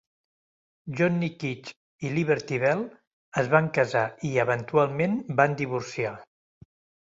Johnny Quick i Liberty Belle es van casar i eventualment van divorciar.